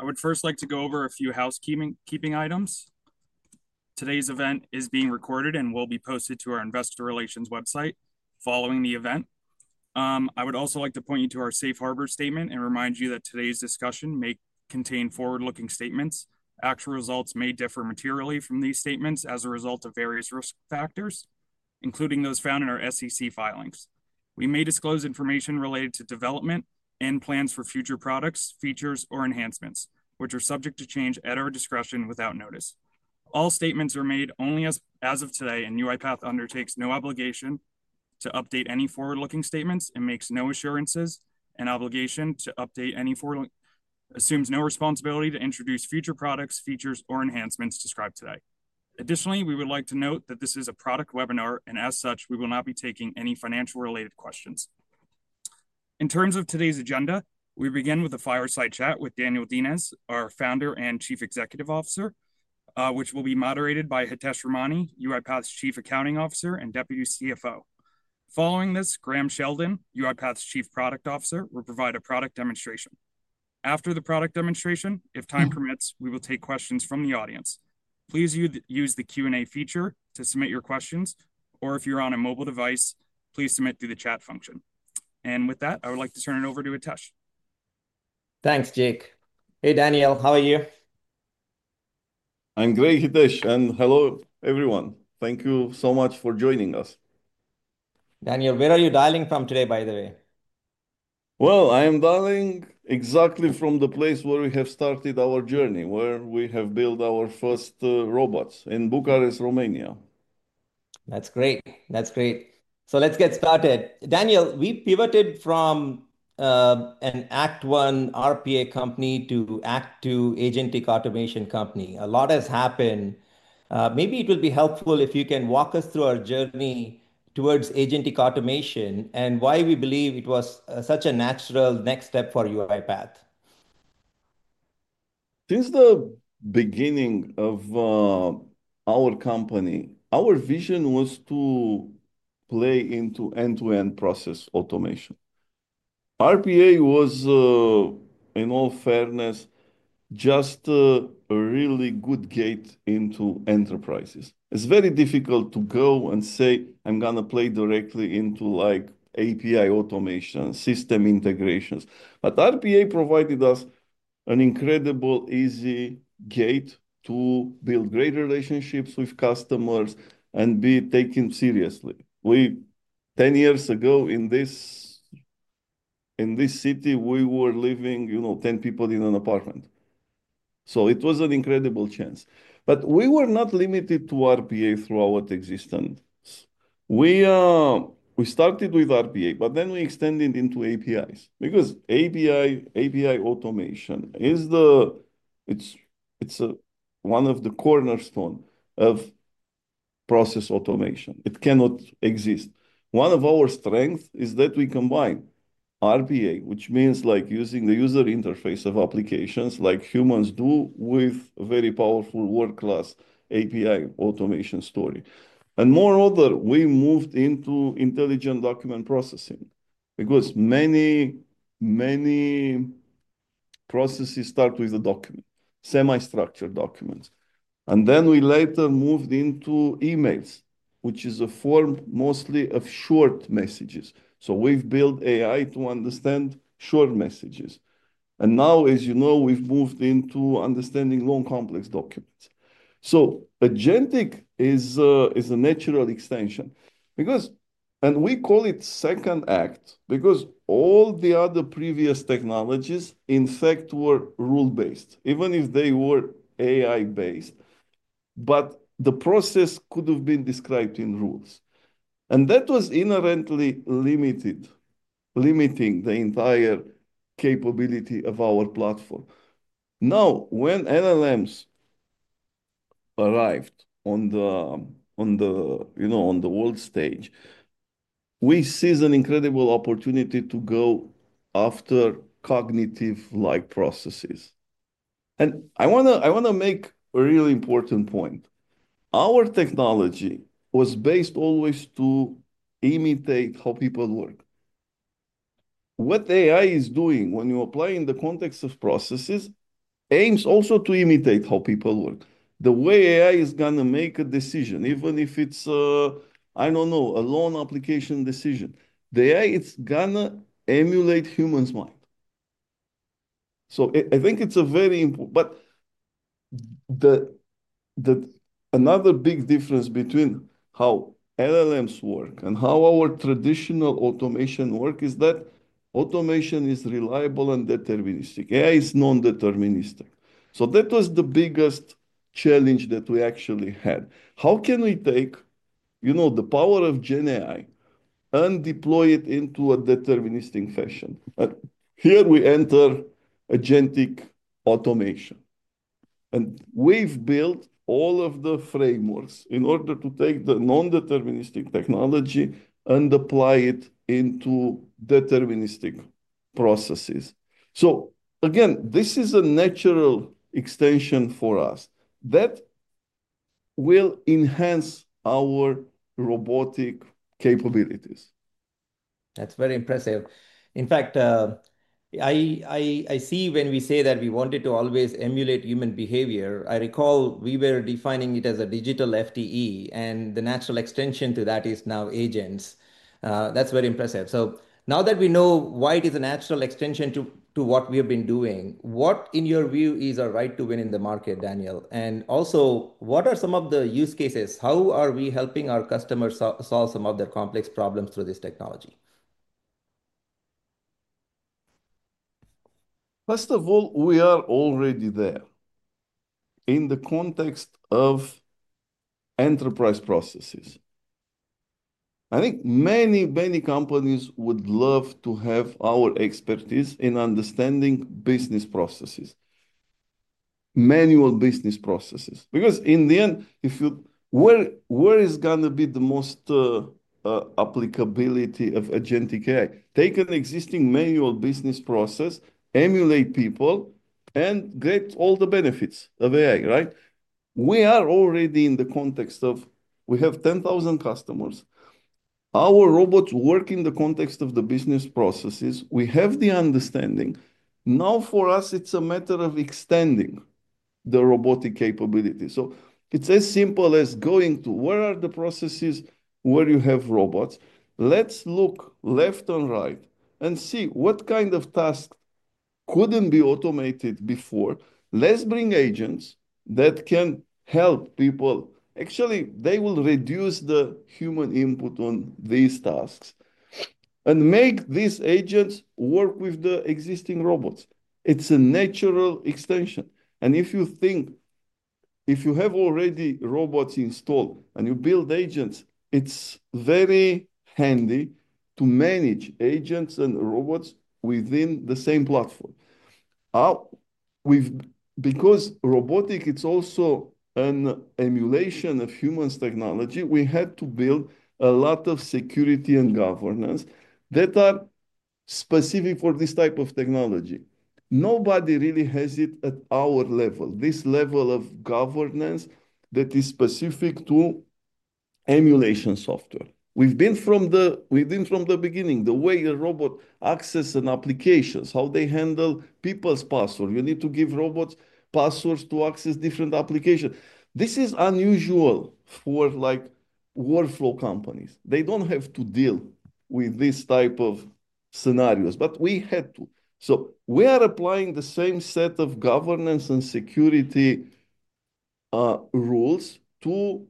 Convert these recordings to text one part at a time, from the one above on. I would first like to go over a few housekeeping items. Today's event is being recorded and will be posted to our investor relations website following the event. I would also like to point you to our Safe Harbor statement and remind you that today's discussion may contain forward-looking statements. Actual results may differ materially from these statements as a result of various risk factors, including those found in our SEC filings. We may disclose information related to development and plans for future products, features, or enhancements, which are subject to change at our discretion without notice. All statements are made only as of today, and UiPath undertakes no obligation to update any forward-looking statements and makes no assurances and obligation to update any forward-looking assumes no responsibility to introduce future products, features, or enhancements described today. Additionally, we would like to note that this is a product webinar, and as such, we will not be taking any financial-related questions. In terms of today's agenda, we begin with a fireside chat with Daniel Dines, our Founder and Chief Executive Officer, which will be moderated by Hitesh Ramani, UiPath's Chief Accounting Officer and Deputy CFO. Following this, Graham Sheldon, UiPath's Chief Product Officer, will provide a product demonstration. After the product demonstration, if time permits, we will take questions from the audience. Please use the Q&A feature to submit your questions, or if you're on a mobile device, please submit through the chat function. With that, I would like to turn it over to Hitesh. Thanks, Jake. Hey, Daniel, how are you? I'm great, Hitesh, and hello, everyone. Thank you so much for joining us. Daniel, where are you dialing from today, by the way? I am dialing exactly from the place where we have started our journey, where we have built our first robots in Bucharest, Romania. That's great. That's great. Let's get started. Daniel, we pivoted from an Act One RPA company to Act Two agentic automation company. A lot has happened. Maybe it will be helpful if you can walk us through our journey towards agentic automation and why we believe it was such a natural next step for UiPath. Since the beginning of our company, our vision was to play into end-to-end process automation. RPA was, in all fairness, just a really good gate into enterprises. It's very difficult to go and say, "I'm going to play directly into API automation, system integrations." RPA provided us an incredible, easy gate to build great relationships with customers and be taken seriously. Ten years ago, in this city, we were living, you know, ten people in an apartment. It was an incredible chance. We were not limited to RPA throughout existence. We started with RPA, but then we extended into APIs because API automation is one of the cornerstones of process automation. It cannot exist. One of our strengths is that we combine RPA, which means using the user interface of applications like humans do, with a very powerful, world-class API automation story. Moreover, we moved into intelligent document processing because many, many processes start with a document, semi-structured documents. We later moved into emails, which is a form mostly of short messages. We have built AI to understand short messages. Now, as you know, we have moved into understanding long, complex documents. Agentic is a natural extension because we call it second act because all the other previous technologies, in fact, were rule-based, even if they were AI-based. The process could have been described in rules. That was inherently limiting, limiting the entire capability of our platform. Now, when LLMs arrived on the, you know, on the world stage, we see an incredible opportunity to go after cognitive-like processes. I want to make a really important point. Our technology was based always to imitate how people work. What AI is doing when you apply in the context of processes aims also to imitate how people work. The way AI is going to make a decision, even if it's, I don't know, a loan application decision, the AI is going to emulate a human's mind. I think it's a very important, but another big difference between how LLMs work and how our traditional automation works is that automation is reliable and deterministic. AI is non-deterministic. That was the biggest challenge that we actually had. How can we take, you know, the power of GenAI and deploy it into a deterministic fashion? Here we enter agentic automation. We've built all of the frameworks in order to take the non-deterministic technology and apply it into deterministic processes. Again, this is a natural extension for us that will enhance our robotic capabilities. That's very impressive. In fact, I see when we say that we wanted to always emulate human behavior. I recall we were defining it as a digital FTE, and the natural extension to that is now agents. That's very impressive. Now that we know why it is a natural extension to what we have been doing, what, in your view, is our right to win in the market, Daniel? Also, what are some of the use cases? How are we helping our customers solve some of their complex problems through this technology? First of all, we are already there in the context of enterprise processes. I think many, many companies would love to have our expertise in understanding business processes, manual business processes, because in the end, if you where is going to be the most applicability of agentic AI? Take an existing manual business process, emulate people, and get all the benefits of AI, right? We are already in the context of we have 10,000 customers. Our robots work in the context of the business processes. We have the understanding. Now, for us, it's a matter of extending the robotic capability. So it's as simple as going to where are the processes where you have robots? Let's look left and right and see what kind of tasks couldn't be automated before. Let's bring agents that can help people. Actually, they will reduce the human input on these tasks and make these agents work with the existing robots. It's a natural extension. If you think if you have already robots installed and you build agents, it's very handy to manage agents and robots within the same platform. Because robotics, it's also an emulation of human technology, we had to build a lot of security and governance that are specific for this type of technology. Nobody really has it at our level, this level of governance that is specific to emulation software. We've been from the beginning, the way a robot accesses an application, how they handle people's passwords. You need to give robots passwords to access different applications. This is unusual for workflow companies. They don't have to deal with this type of scenarios, but we had to. We are applying the same set of governance and security rules to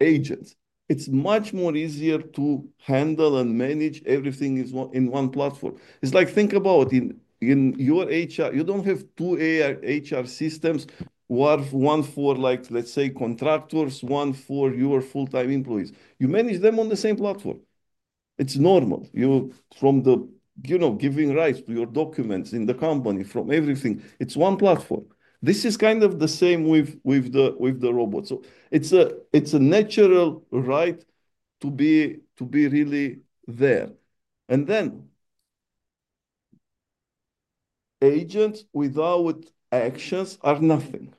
agents. It's much more easier to handle and manage everything in one platform. It's like, think about in your HR, you don't have two HR systems, one for, let's say, contractors, one for your full-time employees. You manage them on the same platform. It's normal. You, from the, you know, giving rights to your documents in the company, from everything, it's one platform. This is kind of the same with the robots. It's a natural right to be really there. Agents without actions are nothing.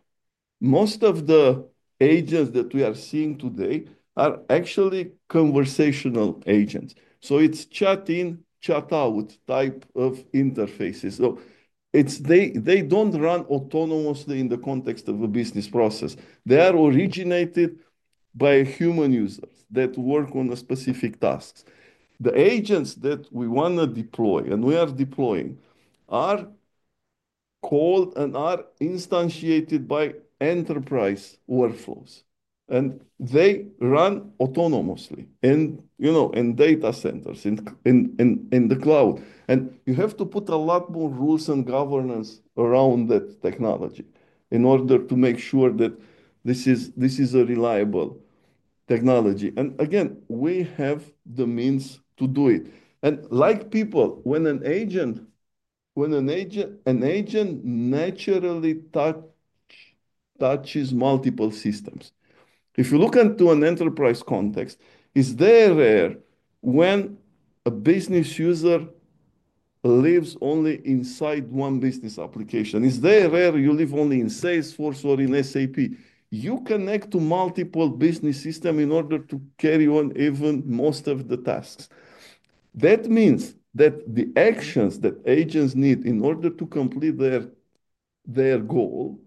Most of the agents that we are seeing today are actually conversational agents. It's chat in, chat out type of interfaces. They don't run autonomously in the context of a business process. They are originated by human users that work on specific tasks. The agents that we want to deploy and we are deploying are called and are instantiated by enterprise workflows. They run autonomously in, you know, in data centers, in the cloud. You have to put a lot more rules and governance around that technology in order to make sure that this is a reliable technology. Again, we have the means to do it. Like people, when an agent naturally touches multiple systems, if you look into an enterprise context, is it rare when a business user lives only inside one business application? Is it rare you live only in Salesforce or in SAP? You connect to multiple business systems in order to carry on even most of the tasks. That means that the actions that agents need in order to complete their goal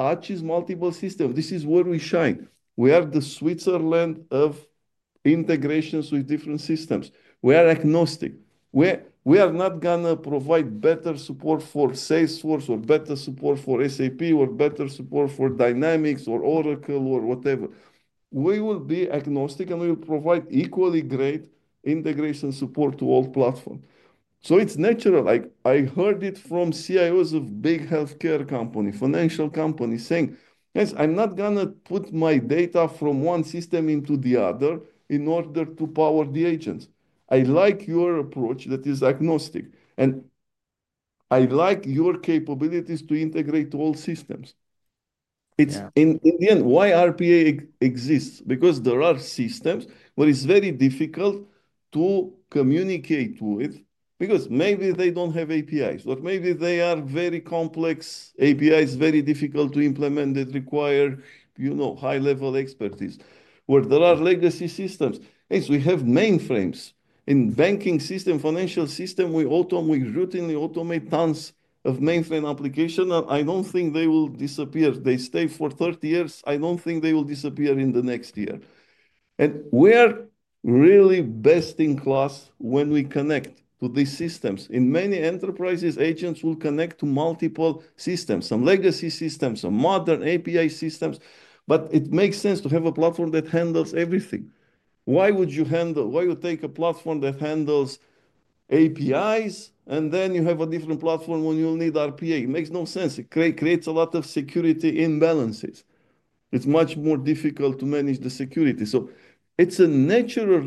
touch multiple systems. This is where we shine. We are the Switzerland of integrations with different systems. We are agnostic. We are not going to provide better support for Salesforce or better support for SAP or better support for Dynamics or Oracle or whatever. We will be agnostic, and we will provide equally great integration support to all platforms. It is natural. I heard it from CIOs of big healthcare companies, financial companies saying, "I'm not going to put my data from one system into the other in order to power the agents." I like your approach that is agnostic, and I like your capabilities to integrate all systems. It is, in the end, why RPA exists, because there are systems where it is very difficult to communicate with because maybe they do not have APIs, or maybe they are very complex APIs, very difficult to implement that require, you know, high-level expertise, where there are legacy systems. We have mainframes in banking systems, financial systems. We routinely automate tons of mainframe applications. I don't think they will disappear. They stay for 30 years. I don't think they will disappear in the next year. We are really best in class when we connect to these systems. In many enterprises, agents will connect to multiple systems, some legacy systems, some modern API systems. It makes sense to have a platform that handles everything. Why would you take a platform that handles APIs, and then you have a different platform when you'll need RPA? It makes no sense. It creates a lot of security imbalances. It's much more difficult to manage the security. It's a natural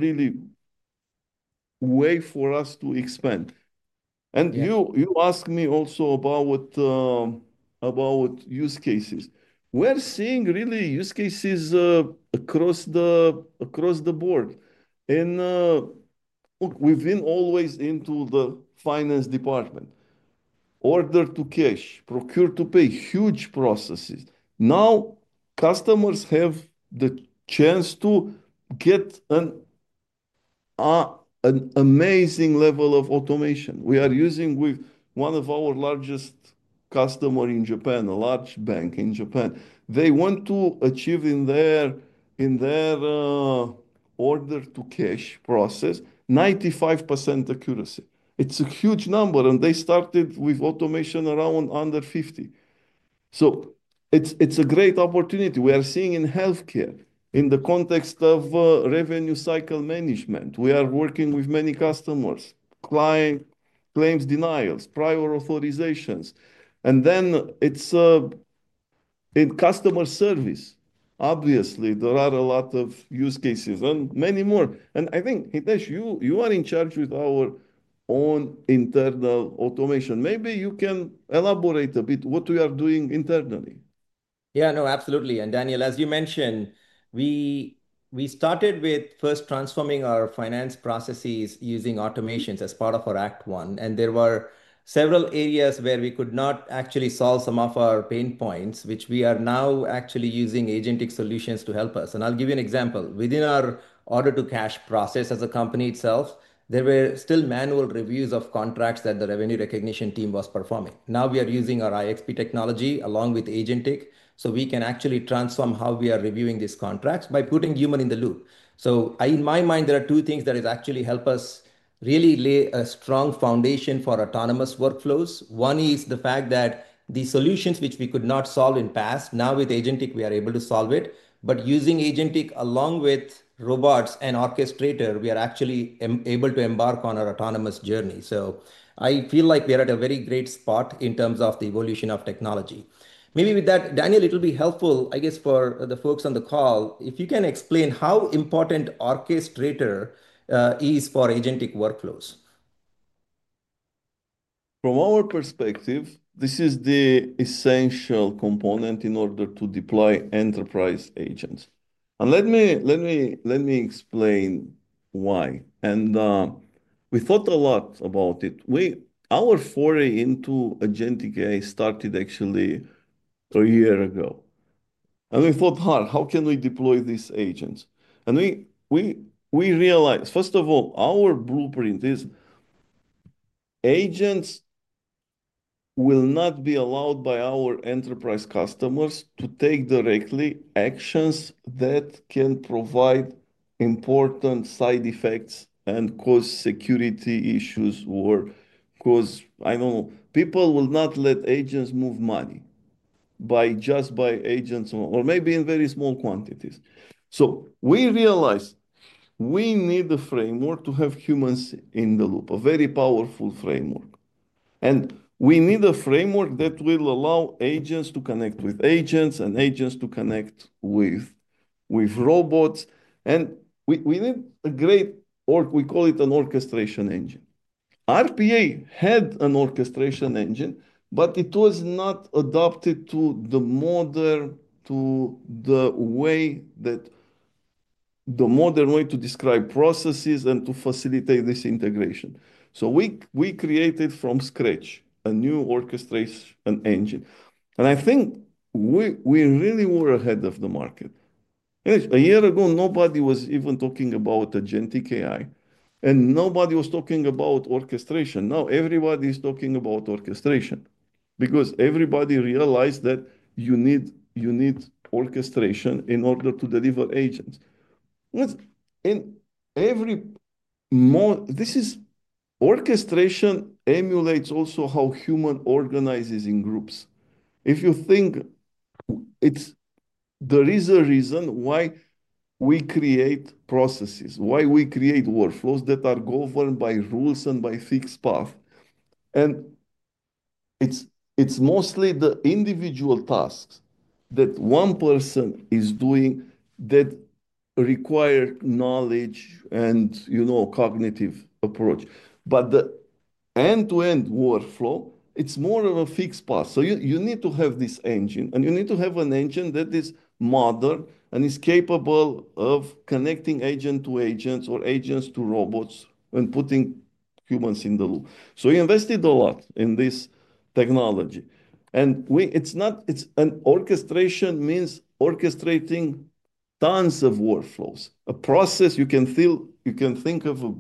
way for us to expand. You asked me also about use cases. We're seeing really use cases across the board and within always into the finance department, order to cash, procure to pay, huge processes. Now, customers have the chance to get an amazing level of automation. We are using with one of our largest customers in Japan, a large bank in Japan. They want to achieve in their order to cash process 95% accuracy. It's a huge number, and they started with automation around under 50. So it's a great opportunity. We are seeing in healthcare, in the context of revenue cycle management. We are working with many customers, client claims denials, prior authorizations. There are a lot of use cases and many more. I think, Hitesh, you are in charge with our own internal automation. Maybe you can elaborate a bit what we are doing internally. Yeah, no, absolutely. Daniel, as you mentioned, we started with first transforming our finance processes using automations as part of our Act One. There were several areas where we could not actually solve some of our pain points, which we are now actually using agentic solutions to help us. I'll give you an example. Within our order to cash process as a company itself, there were still manual reviews of contracts that the revenue recognition team was performing. Now we are using our IXP technology along with agentic so we can actually transform how we are reviewing these contracts by putting human in the loop. In my mind, there are two things that actually help us really lay a strong foundation for autonomous workflows. One is the fact that the solutions which we could not solve in the past, now with agentic, we are able to solve it. Using agentic along with robots and Orchestrator, we are actually able to embark on our autonomous journey. I feel like we are at a very great spot in terms of the evolution of technology. Maybe with that, Daniel, it will be helpful, I guess, for the folks on the call, if you can explain how important Orchestrator is for agentic workflows. From our perspective, this is the essential component in order to deploy enterprise agents. Let me explain why. We thought a lot about it. Our foray into agentic AI started actually a year ago. We thought, "How can we deploy these agents?" We realized, first of all, our blueprint is agents will not be allowed by our enterprise customers to take directly actions that can provide important side effects and cause security issues or cause, I do not know, people will not let agents move money just by agents or maybe in very small quantities. We realized we need a framework to have humans in the loop, a very powerful framework. We need a framework that will allow agents to connect with agents and agents to connect with robots. We need a great, or we call it, an orchestration engine. RPA had an orchestration engine, but it was not adapted to the modern, to the way that the modern way to describe processes and to facilitate this integration. We created from scratch a new orchestration engine. I think we really were ahead of the market. A year ago, nobody was even talking about agentic AI, and nobody was talking about orchestration. Now everybody is talking about orchestration because everybody realized that you need orchestration in order to deliver agents. This orchestration emulates also how human organizes in groups. If you think there is a reason why we create processes, why we create workflows that are governed by rules and by fixed path. It's mostly the individual tasks that one person is doing that require knowledge and, you know, cognitive approach. The end-to-end workflow, it's more of a fixed path. You need to have this engine, and you need to have an engine that is modern and is capable of connecting agent to agents or agents to robots and putting humans in the loop. We invested a lot in this technology. It's not, it's an orchestration, means orchestrating tons of workflows. A process, you can think of a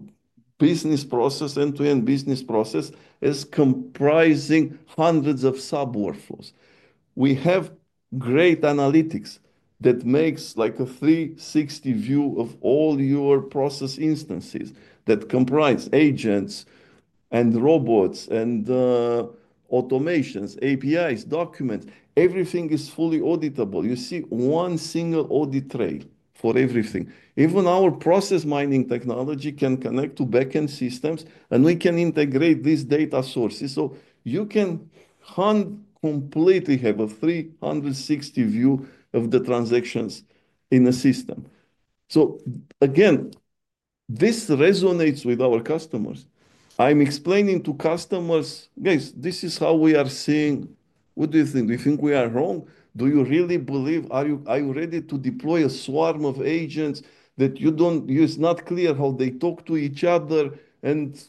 business process, end-to-end business process, is comprising hundreds of sub-workflows. We have great analytics that makes like a 360 view of all your process instances that comprise agents and robots and automations, APIs, documents. Everything is fully auditable. You see one single audit trail for everything. Even our process mining technology can connect to backend systems, and we can integrate these data sources. You can completely have a 360 view of the transactions in a system. Again, this resonates with our customers. I'm explaining to customers, "Guys, this is how we are seeing. What do you think? Do you think we are wrong? Do you really believe? Are you ready to deploy a swarm of agents that you don't use? It's not clear how they talk to each other and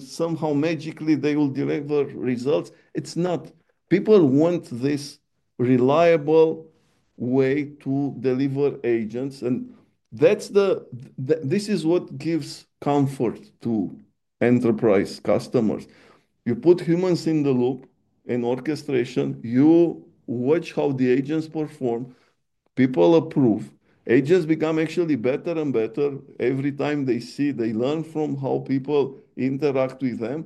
somehow magically they will deliver results." It's not. People want this reliable way to deliver agents. This is what gives comfort to enterprise customers. You put humans in the loop in orchestration. You watch how the agents perform. People approve. Agents become actually better and better every time they see they learn from how people interact with them.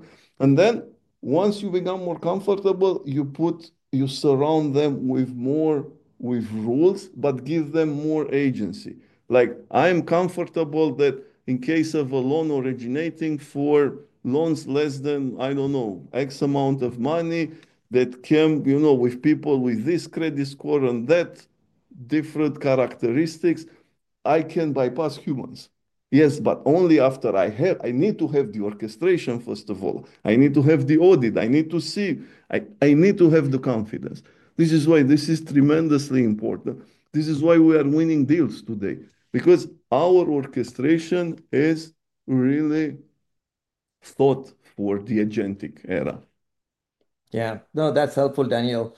Once you become more comfortable, you surround them with more rules, but give them more agency. Like I'm comfortable that in case of a loan originating for loans less than, I don't know, X amount of money that can, you know, with people with this credit score and that different characteristics, I can bypass humans. Yes, but only after I need to have the orchestration, first of all. I need to have the audit. I need to see. I need to have the confidence. This is why this is tremendously important. This is why we are winning deals today, because our orchestration is really thought for the agentic era. Yeah. No, that's helpful, Daniel.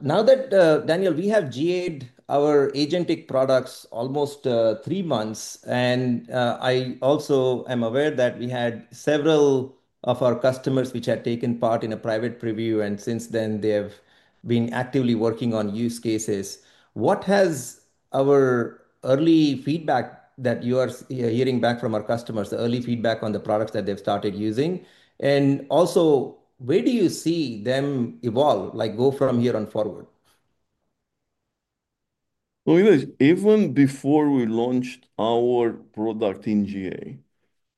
Now that, Daniel, we have GA-ed our agentic products almost three months. I also am aware that we had several of our customers which had taken part in a private preview. Since then, they have been actively working on use cases. What has our early feedback that you are hearing back from our customers, the early feedback on the products that they've started using? Also, where do you see them evolve, like go from here on forward? Even before we launched our product in GA,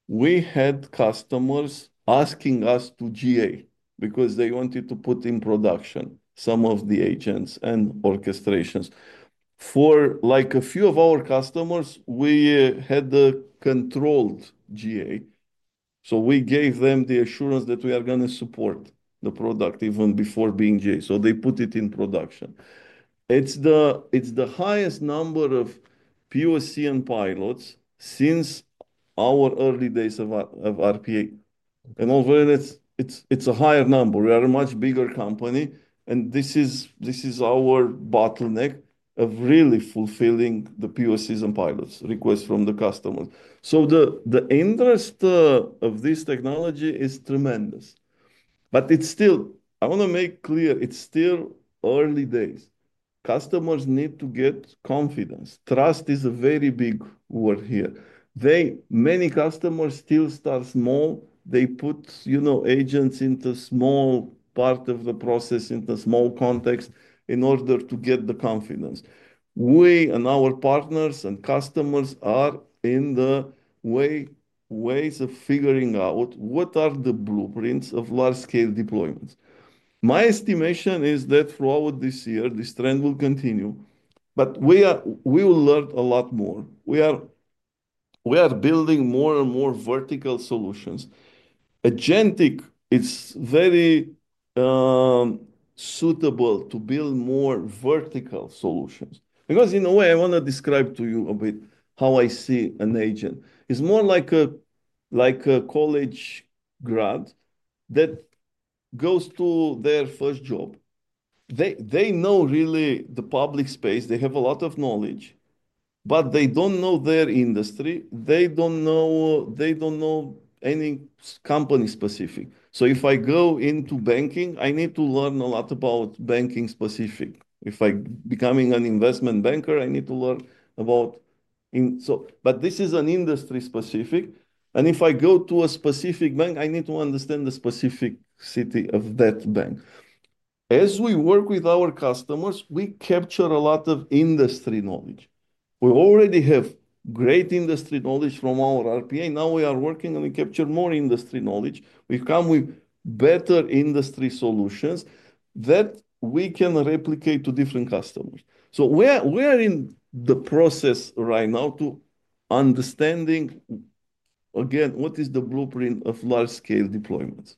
we had customers asking us to GA because they wanted to put in production some of the agents and orchestrations. For a few of our customers, we had the controlled GA. We gave them the assurance that we are going to support the product even before being GA. They put it in production. It is the highest number of POC and pilots since our early days of RPA. Overall, it is a higher number. We are a much bigger company. This is our bottleneck of really fulfilling the POCs and pilots requests from the customers. The interest of this technology is tremendous. It is still, I want to make clear, it is still early days. Customers need to get confidence. Trust is a very big word here. Many customers still start small. They put, you know, agents into a small part of the process, into a small context in order to get the confidence. We and our partners and customers are in the ways of figuring out what are the blueprints of large-scale deployments. My estimation is that throughout this year, this trend will continue. We will learn a lot more. We are building more and more vertical solutions. Agentic is very suitable to build more vertical solutions. Because in a way, I want to describe to you a bit how I see an agent. It's more like a college grad that goes to their first job. They know really the public space. They have a lot of knowledge, but they don't know their industry. They don't know any company specific. If I go into banking, I need to learn a lot about banking specific. If I'm becoming an investment banker, I need to learn about. This is an industry specific. If I go to a specific bank, I need to understand the specific city of that bank. As we work with our customers, we capture a lot of industry knowledge. We already have great industry knowledge from our RPA. Now we are working and we capture more industry knowledge. We come with better industry solutions that we can replicate to different customers. We are in the process right now to understanding, again, what is the blueprint of large-scale deployments.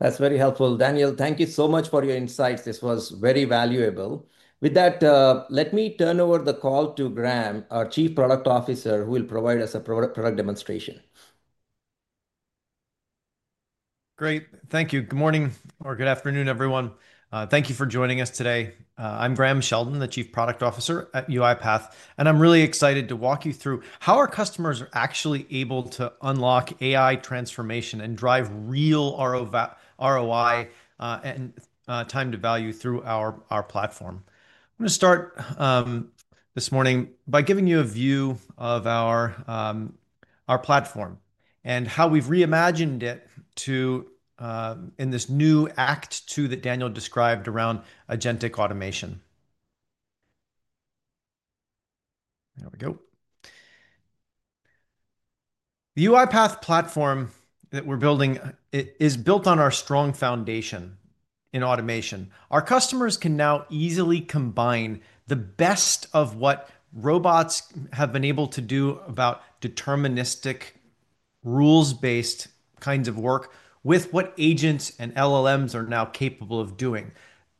That's very helpful. Daniel, thank you so much for your insights. This was very valuable. With that, let me turn over the call to Graham, our Chief Product Officer, who will provide us a product demonstration. Great. Thank you. Good morning or good afternoon, everyone. Thank you for joining us today. I'm Graham Sheldon, the Chief Product Officer at UiPath. I'm really excited to walk you through how our customers are actually able to unlock AI transformation and drive real ROI and time to value through our platform. I'm going to start this morning by giving you a view of our platform and how we've reimagined it in this new act that Daniel described around agentic automation. There we go. The UiPath platform that we're building is built on our strong foundation in automation. Our customers can now easily combine the best of what robots have been able to do about deterministic rules-based kinds of work with what agents and LLMs are now capable of doing,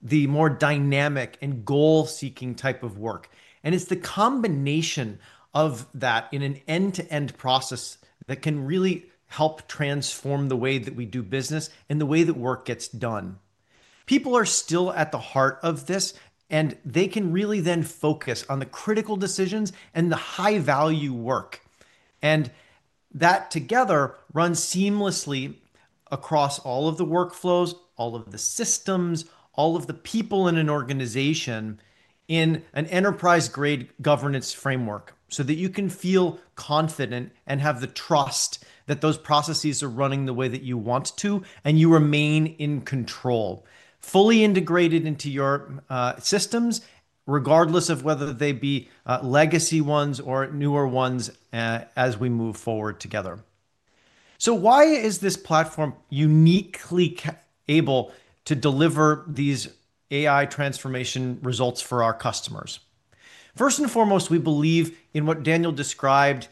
the more dynamic and goal-seeking type of work. It is the combination of that in an end-to-end process that can really help transform the way that we do business and the way that work gets done. People are still at the heart of this, and they can really then focus on the critical decisions and the high-value work. That together runs seamlessly across all of the workflows, all of the systems, all of the people in an organization in an enterprise-grade governance framework so that you can feel confident and have the trust that those processes are running the way that you want to, and you remain in control, fully integrated into your systems, regardless of whether they be legacy ones or newer ones as we move forward together. Why is this platform uniquely able to deliver these AI transformation results for our customers? First and foremost, we believe in what Daniel described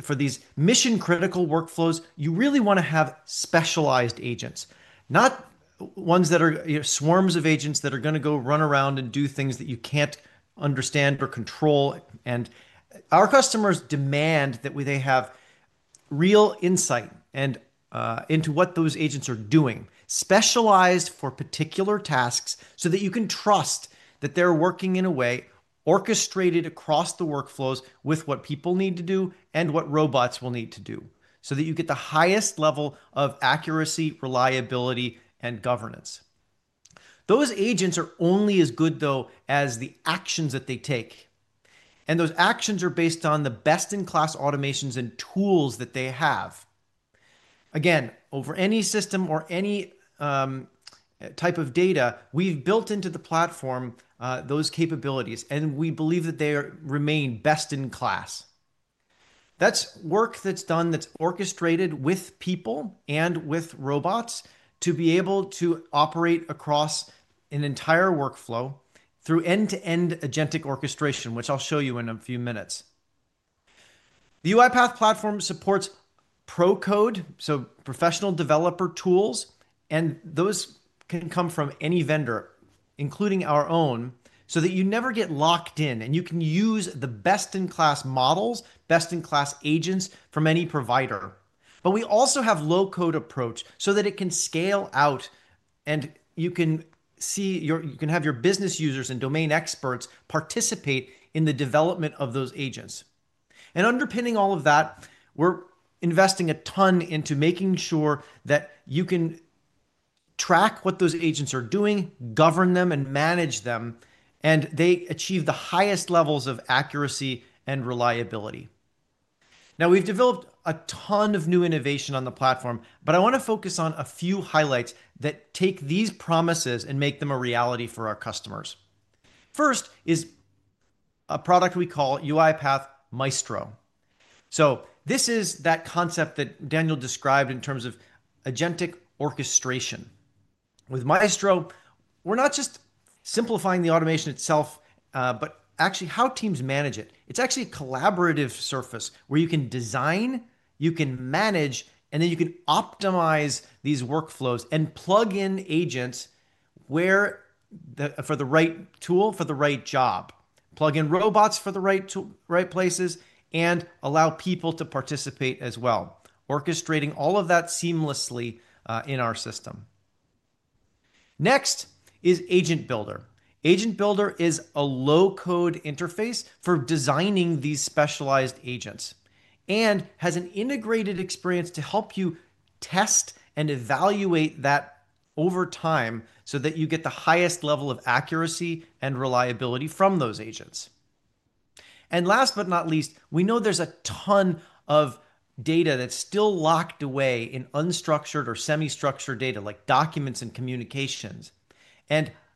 for these mission-critical workflows, you really want to have specialized agents, not ones that are swarms of agents that are going to go run around and do things that you can't understand or control. Our customers demand that they have real insight into what those agents are doing, specialized for particular tasks so that you can trust that they're working in a way orchestrated across the workflows with what people need to do and what robots will need to do so that you get the highest level of accuracy, reliability, and governance. Those agents are only as good, though, as the actions that they take. Those actions are based on the best-in-class automations and tools that they have. Again, over any system or any type of data, we've built into the platform those capabilities, and we believe that they remain best-in-class. That is work that is done that is orchestrated with people and with robots to be able to operate across an entire workflow through end-to-end agentic orchestration, which I'll show you in a few minutes. The UiPath platform supports Procode, so professional developer tools, and those can come from any vendor, including our own, so that you never get locked in and you can use the best-in-class models, best-in-class agents from any provider. We also have a low-code approach so that it can scale out and you can have your business users and domain experts participate in the development of those agents. Underpinning all of that, we're investing a ton into making sure that you can track what those agents are doing, govern them, and manage them, and they achieve the highest levels of accuracy and reliability. Now, we've developed a ton of new innovation on the platform, but I want to focus on a few highlights that take these promises and make them a reality for our customers. First is a product we call UiPath Maestro. This is that concept that Daniel described in terms of agentic orchestration. With Maestro, we're not just simplifying the automation itself, but actually how teams manage it. It's actually a collaborative surface where you can design, you can manage, and then you can optimize these workflows and plug in agents for the right tool for the right job, plug in robots for the right places, and allow people to participate as well, orchestrating all of that seamlessly in our system. Next is Agent Builder. Agent Builder is a low-code interface for designing these specialized agents and has an integrated experience to help you test and evaluate that over time so that you get the highest level of accuracy and reliability from those agents. Last but not least, we know there's a ton of data that's still locked away in unstructured or semi-structured data, like documents and communications.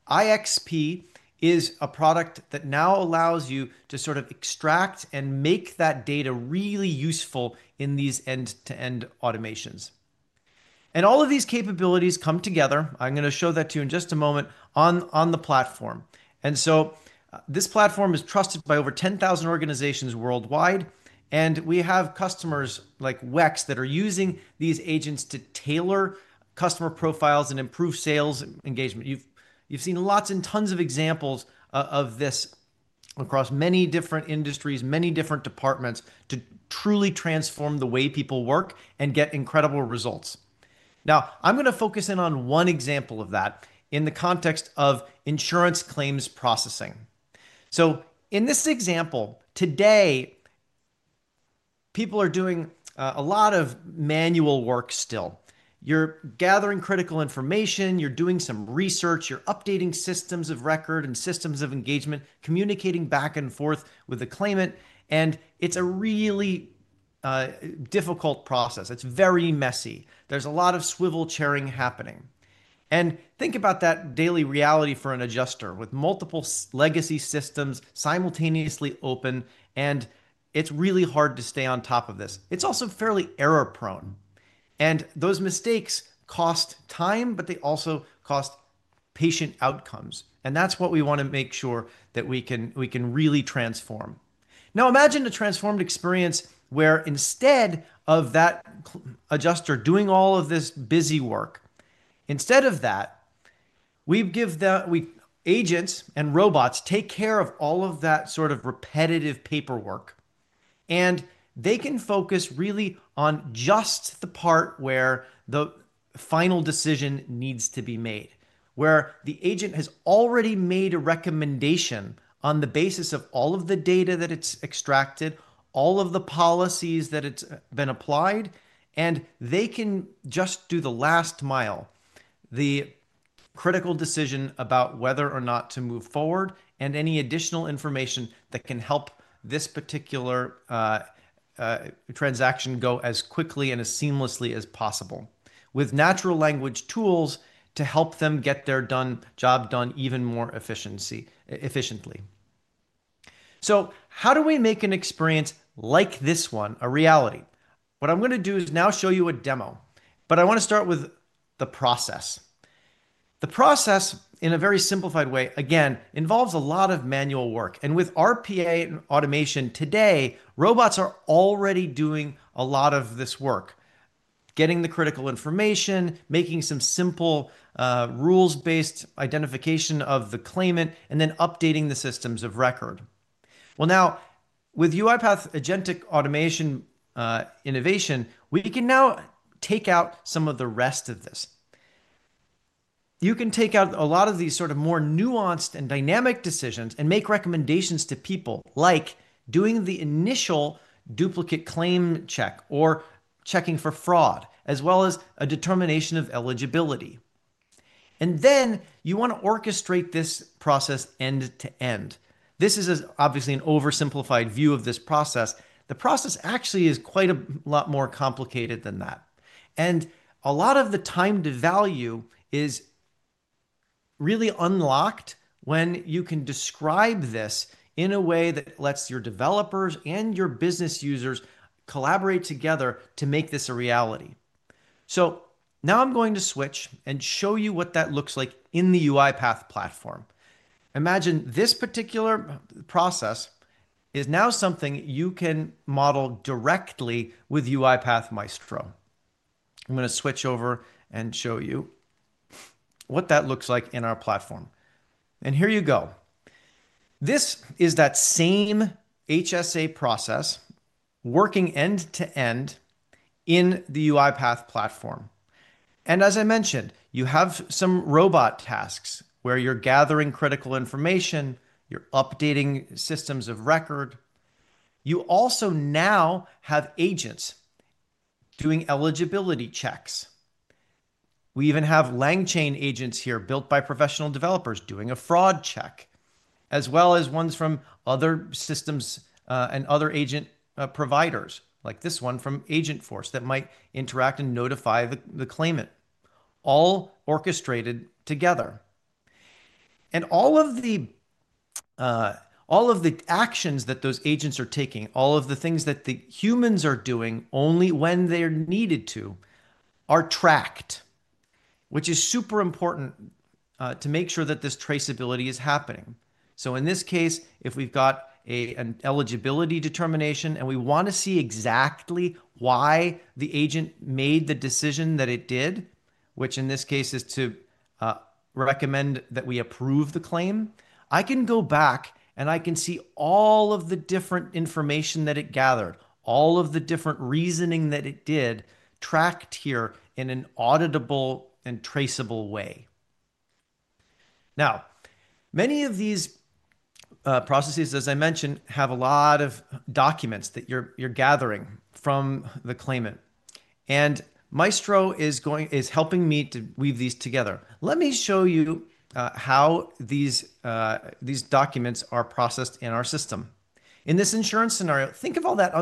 IXP is a product that now allows you to sort of extract and make that data really useful in these end-to-end automations. All of these capabilities come together. I'm going to show that to you in just a moment on the platform. This platform is trusted by over 10,000 organizations worldwide. We have customers like WEX that are using these agents to tailor customer profiles and improve sales engagement. You've seen lots and tons of examples of this across many different industries, many different departments to truly transform the way people work and get incredible results. Now, I'm going to focus in on one example of that in the context of insurance claims processing. In this example today, people are doing a lot of manual work still. You're gathering critical information. You're doing some research. You're updating systems of record and systems of engagement, communicating back and forth with the claimant. It's a really difficult process. It's very messy. There's a lot of swivel chairing happening. Think about that daily reality for an adjuster with multiple legacy systems simultaneously open. It's really hard to stay on top of this. It's also fairly error-prone. Those mistakes cost time, but they also cost patient outcomes. That's what we want to make sure that we can really transform. Now, imagine a transformed experience where instead of that adjuster doing all of this busy work, instead of that, we agents and robots take care of all of that sort of repetitive paperwork. They can focus really on just the part where the final decision needs to be made, where the agent has already made a recommendation on the basis of all of the data that it's extracted, all of the policies that it's been applied. They can just do the last mile, the critical decision about whether or not to move forward and any additional information that can help this particular transaction go as quickly and as seamlessly as possible with natural language tools to help them get their job done even more efficiently. How do we make an experience like this one a reality? What I'm going to do is now show you a demo. I want to start with the process. The process, in a very simplified way, again, involves a lot of manual work. With RPA and automation today, robots are already doing a lot of this work, getting the critical information, making some simple rules-based identification of the claimant, and then updating the systems of record. Now with UiPath agentic automation innovation, we can now take out some of the rest of this. You can take out a lot of these sort of more nuanced and dynamic decisions and make recommendations to people, like doing the initial duplicate claim check or checking for fraud, as well as a determination of eligibility. You want to orchestrate this process end to end. This is obviously an oversimplified view of this process. The process actually is quite a lot more complicated than that. A lot of the time to value is really unlocked when you can describe this in a way that lets your developers and your business users collaborate together to make this a reality. Now I'm going to switch and show you what that looks like in the UiPath platform. Imagine this particular process is now something you can model directly with UiPath Maestro. I'm going to switch over and show you what that looks like in our platform. Here you go. This is that same HSA process working end to end in the UiPath platform. As I mentioned, you have some robot tasks where you're gathering critical information. You're updating systems of record. You also now have agents doing eligibility checks. We even have LangChain agents here built by professional developers doing a fraud check, as well as ones from other systems and other agent providers, like this one from Agentforce that might interact and notify the claimant, all orchestrated together. All of the actions that those agents are taking, all of the things that the humans are doing only when they're needed to, are tracked, which is super important to make sure that this traceability is happening. In this case, if we've got an eligibility determination and we want to see exactly why the agent made the decision that it did, which in this case is to recommend that we approve the claim, I can go back and I can see all of the different information that it gathered, all of the different reasoning that it did tracked here in an auditable and traceable way. Now, many of these processes, as I mentioned, have a lot of documents that you're gathering from the claimant. Maestro is helping me to weave these together. Let me show you how these documents are processed in our system. In this insurance scenario, think of all that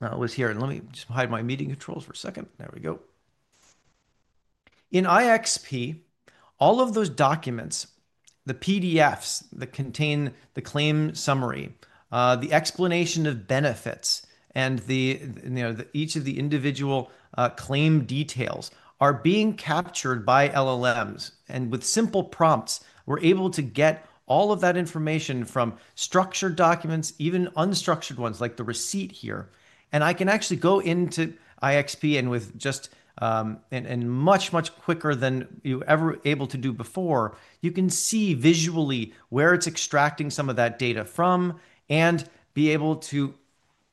unstructured data that was here. Let me just hide my meeting controls for a second. There we go. In IXP, all of those documents, the PDFs that contain the claim summary, the explanation of benefits, and each of the individual claim details are being captured by LLMs. With simple prompts, we're able to get all of that information from structured documents, even unstructured ones like the receipt here. I can actually go into IXP and, much, much quicker than you were ever able to do before, you can see visually where it's extracting some of that data from and be able to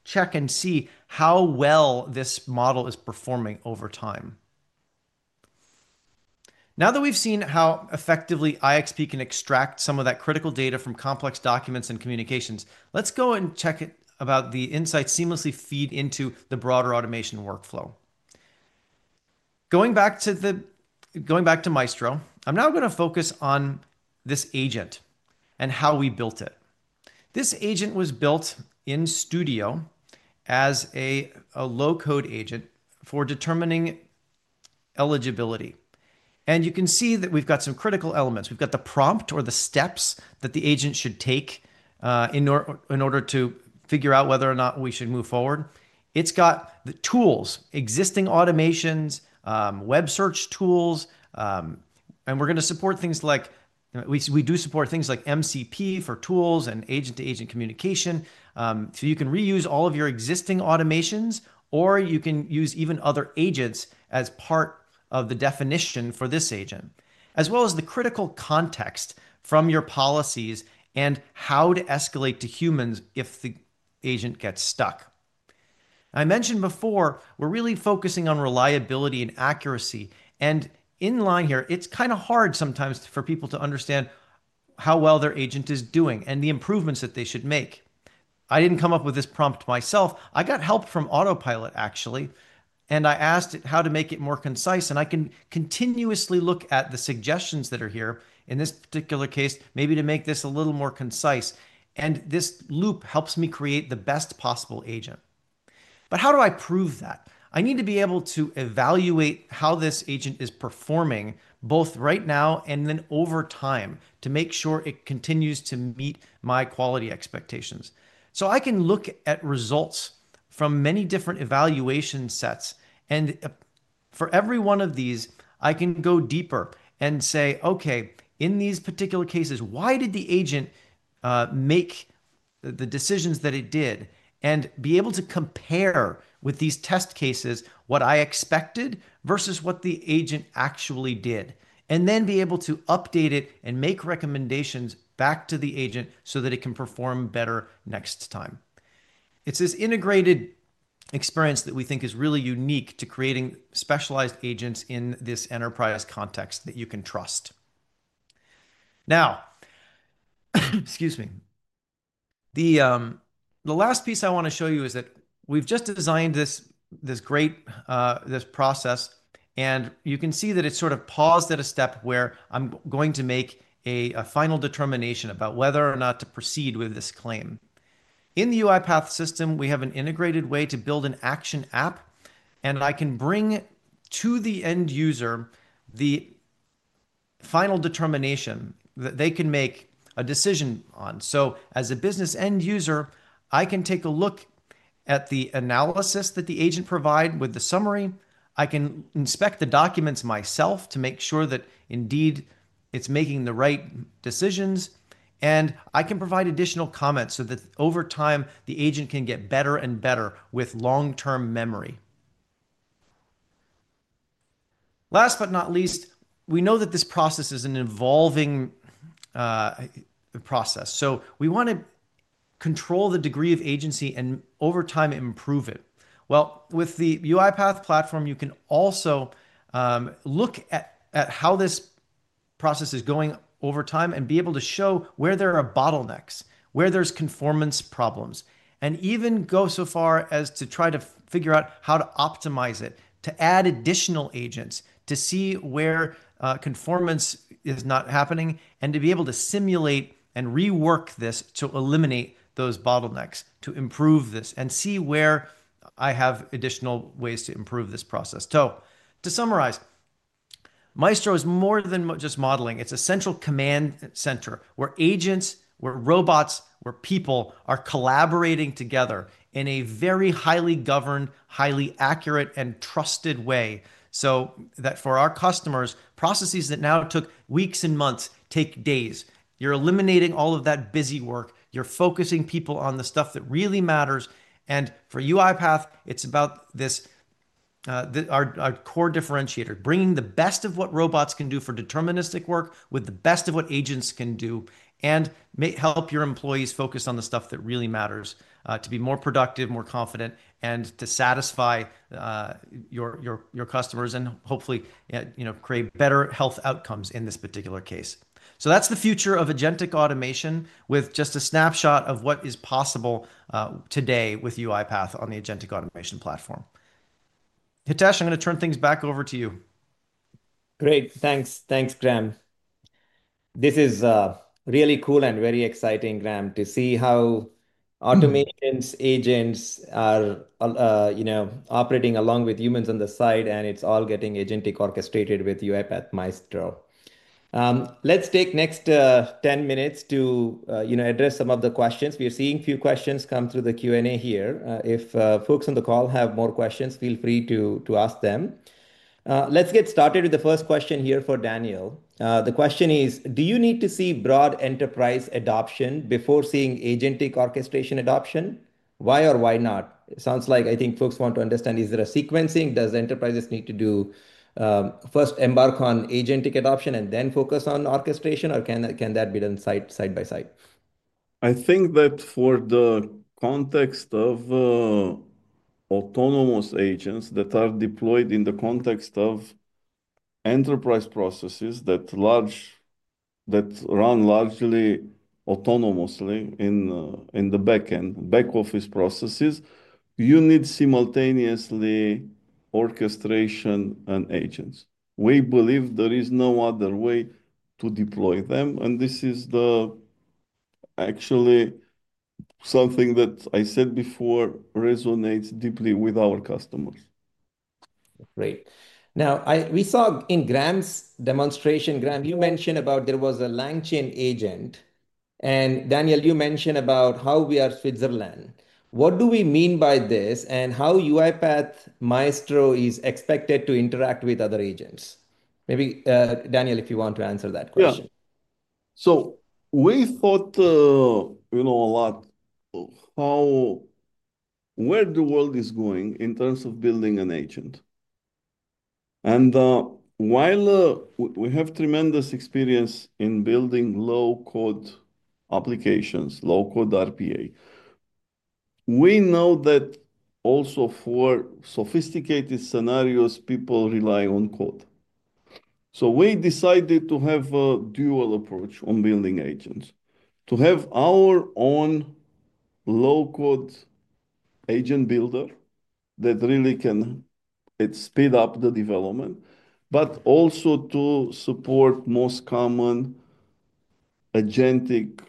check and see how well this model is performing over time. Now that we've seen how effectively IXP can extract some of that critical data from complex documents and communications, let's go and check how the insights seamlessly feed into the broader automation workflow. Going back to Maestro, I'm now going to focus on this agent and how we built it. This agent was built in Studio as a low-code agent for determining eligibility. You can see that we've got some critical elements. We've got the prompt or the steps that the agent should take in order to figure out whether or not we should move forward. It's got the tools, existing automations, web search tools. We support things like MCP for tools and agent-to-agent communication. You can reuse all of your existing automations, or you can use even other agents as part of the definition for this agent, as well as the critical context from your policies and how to escalate to humans if the agent gets stuck. I mentioned before, we're really focusing on reliability and accuracy. In line here, it's kind of hard sometimes for people to understand how well their agent is doing and the improvements that they should make. I didn't come up with this prompt myself. I got help from Autopilot, actually. I asked it how to make it more concise. I can continuously look at the suggestions that are here in this particular case, maybe to make this a little more concise. This loop helps me create the best possible agent. How do I prove that? I need to be able to evaluate how this agent is performing both right now and then over time to make sure it continues to meet my quality expectations. I can look at results from many different evaluation sets. For every one of these, I can go deeper and say, "Okay, in these particular cases, why did the agent make the decisions that it did?" and be able to compare with these test cases what I expected versus what the agent actually did, and then be able to update it and make recommendations back to the agent so that it can perform better next time. It is this integrated experience that we think is really unique to creating specialized agents in this enterprise context that you can trust. Now, excuse me. The last piece I want to show you is that we have just designed this great process. You can see that it is sort of paused at a step where I am going to make a final determination about whether or not to proceed with this claim. In the UiPath system, we have an integrated way to build an action app. I can bring to the end user the final determination that they can make a decision on. As a business end user, I can take a look at the analysis that the agent provided with the summary. I can inspect the documents myself to make sure that indeed it's making the right decisions. I can provide additional comments so that over time, the agent can get better and better with long-term memory. Last but not least, we know that this process is an evolving process. We want to control the degree of agency and over time improve it. With the UiPath platform, you can also look at how this process is going over time and be able to show where there are bottlenecks, where there's conformance problems, and even go so far as to try to figure out how to optimize it, to add additional agents, to see where conformance is not happening, and to be able to simulate and rework this to eliminate those bottlenecks, to improve this, and see where I have additional ways to improve this process. To summarize, Maestro is more than just modeling. It's a central command center where agents, where robots, where people are collaborating together in a very highly governed, highly accurate, and trusted way so that for our customers, processes that now took weeks and months take days. You're eliminating all of that busy work. You're focusing people on the stuff that really matters. For UiPath, it's about our core differentiator, bringing the best of what robots can do for deterministic work with the best of what agents can do and help your employees focus on the stuff that really matters to be more productive, more confident, and to satisfy your customers and hopefully create better health outcomes in this particular case. That is the future of agentic automation with just a snapshot of what is possible today with UiPath on the agentic automation platform. Hitesh, I'm going to turn things back over to you. Great. Thanks. Thanks, Graham. This is really cool and very exciting, Graham, to see how automation agents are operating along with humans on the side. It's all getting agentic orchestrated with UiPath Maestro. Let's take the next 10 minutes to address some of the questions. We are seeing a few questions come through the Q&A here. If folks on the call have more questions, feel free to ask them. Let's get started with the first question here for Daniel. The question is, do you need to see broad enterprise adoption before seeing agentic orchestration adoption? Why or why not? It sounds like I think folks want to understand, is there a sequencing? Does enterprises need to first embark on agentic adoption and then focus on orchestration, or can that be done side by side? I think that for the context of autonomous agents that are deployed in the context of enterprise processes that run largely autonomously in the backend, back office processes, you need simultaneously orchestration and agents. We believe there is no other way to deploy them. This is actually something that I said before resonates deeply with our customers. Great. Now, we saw in Graham's demonstration, Graham, you mentioned about there was a LangChain agent. And Daniel, you mentioned about how we are Switzerland. What do we mean by this and how UiPath Maestro is expected to interact with other agents? Maybe Daniel, if you want to answer that question. Yeah. So we thought a lot where the world is going in terms of building an agent. And while we have tremendous experience in building low-code applications, low-code RPA, we know that also for sophisticated scenarios, people rely on code. We decided to have a dual approach on building agents, to have our own low-code Agent Builder that really can speed up the development, but also to support most common agentic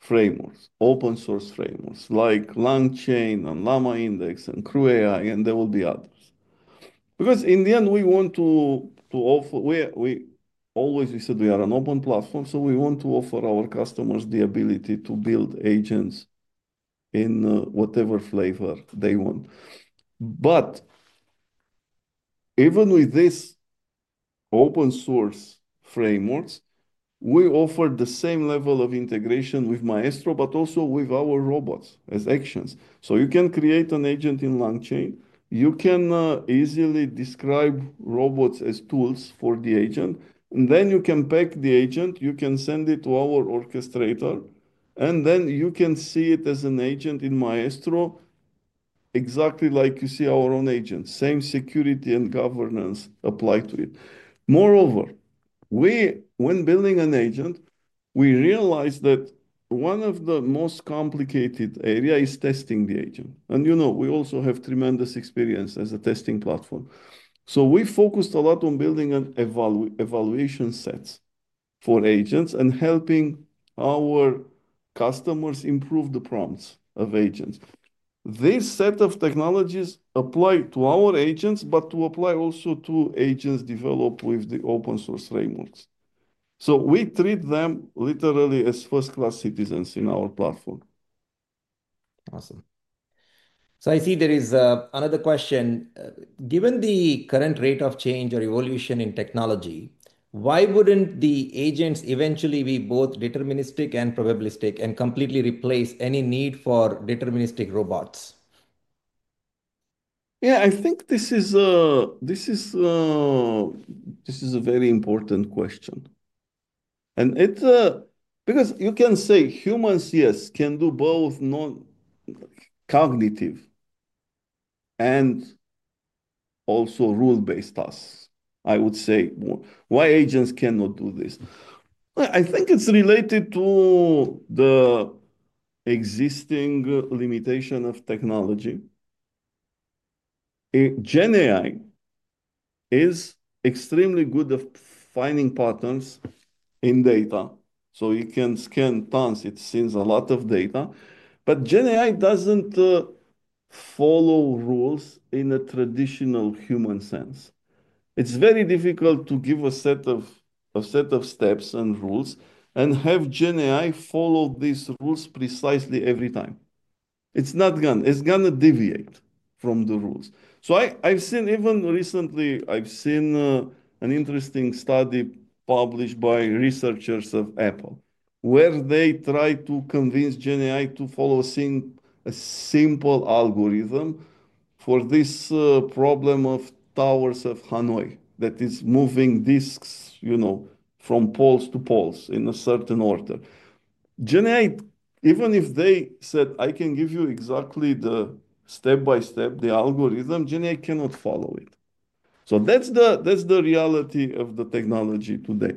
frameworks, open-source frameworks like LangChain and LlamaIndex and CrewAI and there will be others. Because in the end, we want to offer we always said we are an open platform. We want to offer our customers the ability to build agents in whatever flavor they want. Even with these open-source frameworks, we offer the same level of integration with Maestro, but also with our robots as actions. You can create an agent in LangChain. You can easily describe robots as tools for the agent. You can pack the agent. You can send it to our Orchestrator. You can see it as an agent in Maestro exactly like you see our own agent. Same security and governance apply to it. Moreover, when building an agent, we realized that one of the most complicated areas is testing the agent. We also have tremendous experience as a testing platform. We focused a lot on building evaluation sets for agents and helping our customers improve the prompts of agents. This set of technologies apply to our agents, but apply also to agents developed with the open-source frameworks. We treat them literally as first-class citizens in our platform. Awesome. I see there is another question. Given the current rate of change or evolution in technology, why wouldn't the agents eventually be both deterministic and probabilistic and completely replace any need for deterministic robots? Yeah, I think this is a very important question. It's because you can say humans, yes, can do both non-cognitive and also rule-based tasks, I would say. Why agents cannot do this? I think it's related to the existing limitation of technology. GenAI is extremely good at finding patterns in data. You can scan tons; it sees a lot of data. GenAI doesn't follow rules in a traditional human sense. It's very difficult to give a set of steps and rules and have GenAI follow these rules precisely every time. It's not going to deviate from the rules. I've seen even recently, I've seen an interesting study published by researchers of Apple where they try to convince GenAI to follow a simple algorithm for this problem of towers of Hanoi that is moving disks from poles to poles in a certain order. GenAI, even if they said, "I can give you exactly the step-by-step, the algorithm," GenAI cannot follow it. That is the reality of the technology today.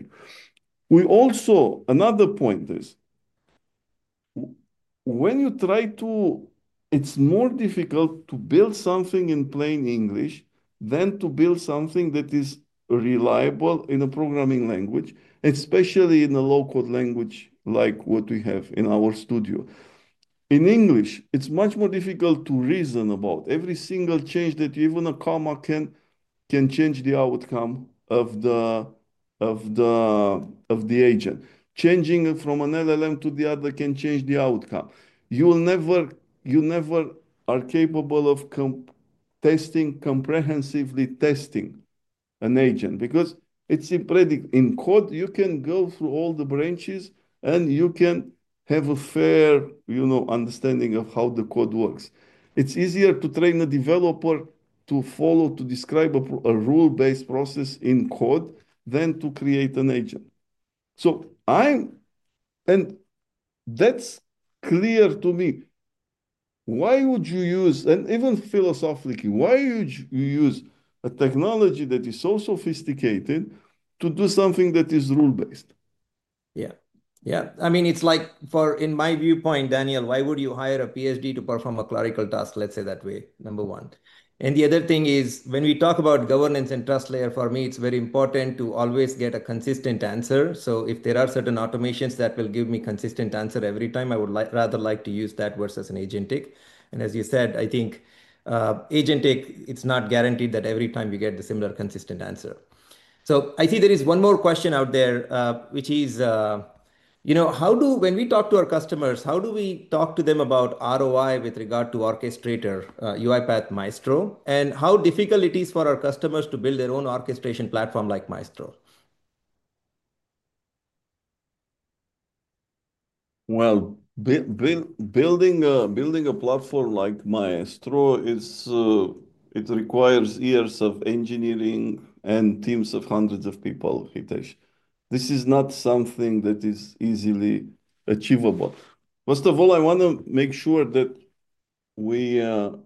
Also, another point is when you try to, it's more difficult to build something in plain English than to build something that is reliable in a programming language, especially in a low-code language like what we have in our studio. In English, it's much more difficult to reason about every single change that you, even a comma can change the outcome of the agent. Changing it from an LLM to the other can change the outcome. You never are capable of comprehensively testing an agent because it's in code. You can go through all the branches, and you can have a fair understanding of how the code works. It's easier to train a developer to follow, to describe a rule-based process in code than to create an agent. That's clear to me. Why would you use, and even philosophically, why would you use a technology that is so sophisticated to do something that is rule-based? Yeah. Yeah. I mean, it's like for in my viewpoint, Daniel, why would you hire a PhD to perform a clerical task, let's say that way, number one? The other thing is when we talk about governance and trust layer, for me, it's very important to always get a consistent answer. If there are certain automations that will give me a consistent answer every time, I would rather like to use that versus an agentic. As you said, I think agentic, it's not guaranteed that every time you get the similar consistent answer. I see there is one more question out there, which is, you know, when we talk to our customers, how do we talk to them about ROI with regard to Orchestrator, UiPath Maestro, and how difficult it is for our customers to build their own orchestration platform like Maestro? Building a platform like Maestro, it requires years of engineering and teams of hundreds of people, Hitesh. This is not something that is easily achievable. First of all, I want to make sure that the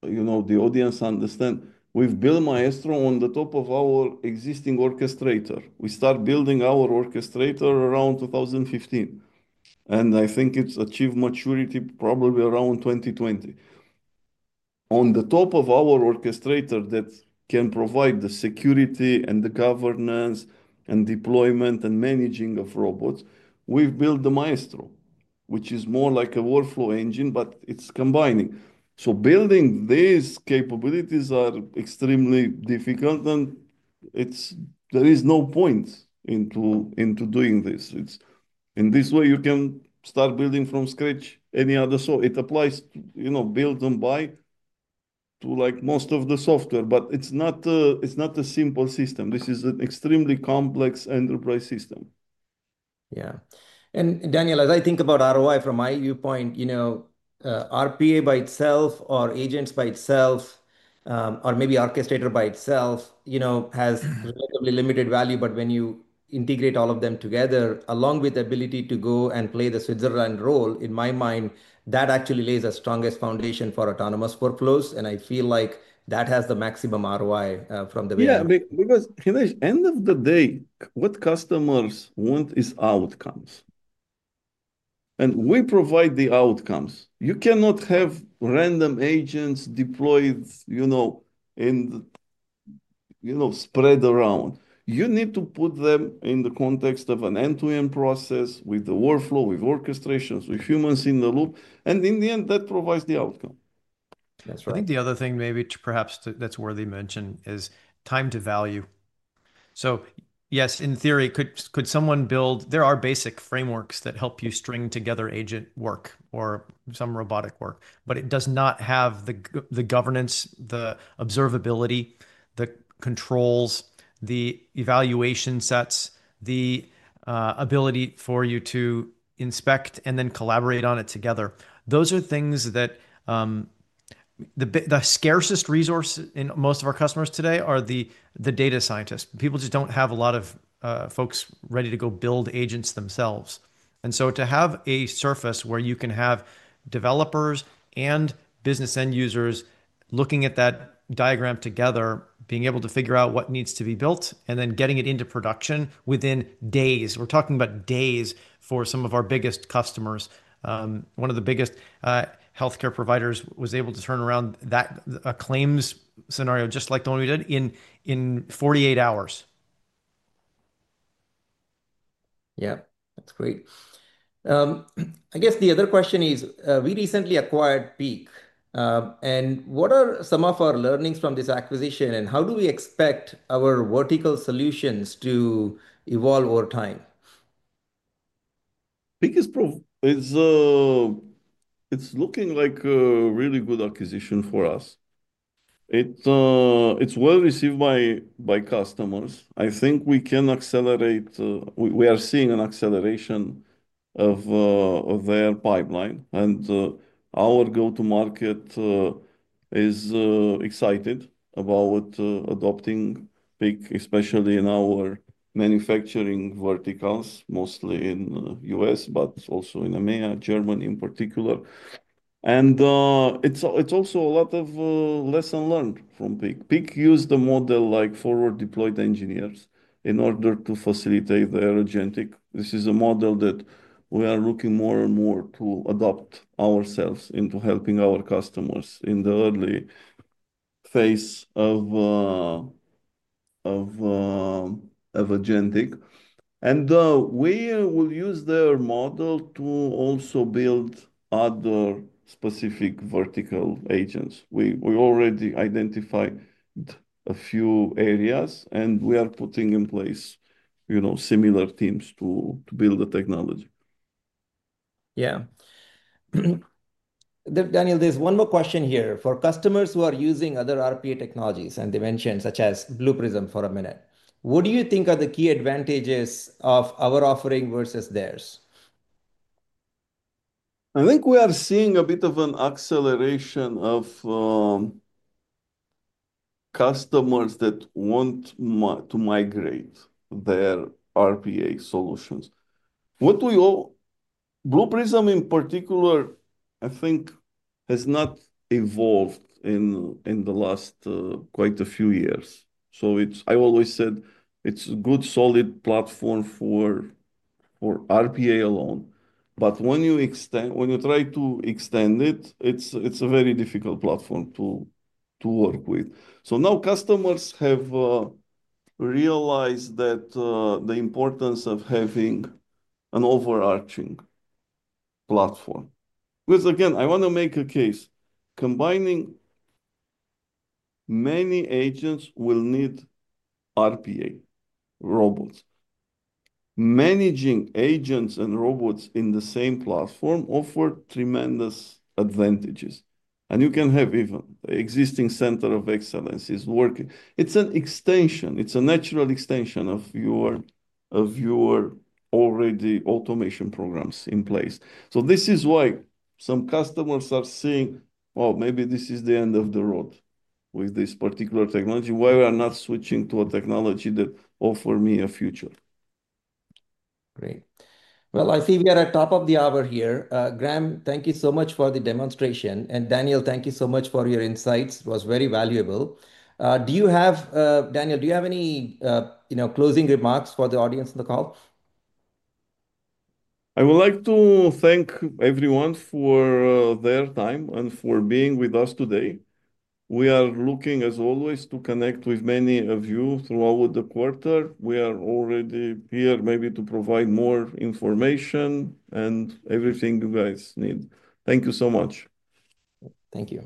audience understands we've built Maestro on the top of our existing Orchestrator. We started building our Orchestrator around 2015. I think it's achieved maturity probably around 2020. On the top of our Orchestrator that can provide the security and the governance and deployment and managing of robots, we've built the Maestro, which is more like a workflow engine, but it's combining. Building these capabilities is extremely difficult. There is no point in doing this. In this way, you can start building from scratch any other. It applies to build and buy to most of the software. It is not a simple system. This is an extremely complex enterprise system. Yeah. Daniel, as I think about ROI from my viewpoint, RPA by itself or agents by itself or maybe Orchestrator by itself has relatively limited value. When you integrate all of them together along with the ability to go and play the Switzerland role, in my mind, that actually lays a strongest foundation for autonomous workflows. I feel like that has the maximum ROI from the way that. Yeah. Because at the end of the day, what customers want is outcomes. And we provide the outcomes. You cannot have random agents deployed and spread around. You need to put them in the context of an end-to-end process with the workflow, with orchestrations, with humans in the loop. In the end, that provides the outcome. That's right. I think the other thing maybe perhaps that's worthy mention is time to value. Yes, in theory, could someone build, there are basic frameworks that help you string together agent work or some robotic work. It does not have the governance, the observability, the controls, the evaluation sets, the ability for you to inspect and then collaborate on it together. Those are things that the scarcest resource in most of our customers today are the data scientists. People just do not have a lot of folks ready to go build agents themselves. To have a surface where you can have developers and business end users looking at that diagram together, being able to figure out what needs to be built, and then getting it into production within days. We are talking about days for some of our biggest customers. One of the biggest health care providers was able to turn around that claims scenario just like the one we did in 48 hours. Yeah. That's great. I guess the other question is we recently acquired Peak. What are some of our learnings from this acquisition? How do we expect our vertical solutions to evolve over time? Peak is looking like a really good acquisition for us. It's well received by customers. I think we can accelerate. We are seeing an acceleration of their pipeline. Our go-to-market is excited about adopting Peak, especially in our manufacturing verticals, mostly in the U.S., but also in EMEA, Germany in particular. It is also a lot of lessons learned from Peak. Peak used the model like forward-deployed engineers in order to facilitate their agentic. This is a model that we are looking more and more to adopt ourselves into helping our customers in the early phase of agentic. We will use their model to also build other specific vertical agents. We already identified a few areas. We are putting in place similar teams to build the technology. Yeah. Daniel, there's one more question here. For customers who are using other RPA technologies and you mentioned such as Blue Prism for a minute, what do you think are the key advantages of our offering versus theirs? I think we are seeing a bit of an acceleration of customers that want to migrate their RPA solutions. Blue Prism in particular, I think, has not evolved in the last quite a few years. I always said it's a good solid platform for RPA alone. When you try to extend it, it's a very difficult platform to work with. Now customers have realized the importance of having an overarching platform. Again, I want to make a case. Combining many agents will need RPA robots. Managing agents and robots in the same platform offers tremendous advantages. You can have even the existing center of excellence is working. It's an extension. It's a natural extension of your already automation programs in place. This is why some customers are seeing, well, maybe this is the end of the road with this particular technology. Why are we not switching to a technology that offers me a future? Great. I see we are at the top of the hour here. Graham, thank you so much for the demonstration. Daniel, thank you so much for your insights. It was very valuable. Daniel, do you have any closing remarks for the audience in the call? I would like to thank everyone for their time and for being with us today. We are looking, as always, to connect with many of you throughout the quarter. We are already here maybe to provide more information and everything you guys need. Thank you so much. Thank you.